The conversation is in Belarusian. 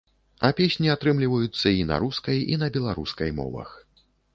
А песні атрымліваюцца і на рускай, і на беларускай мовах.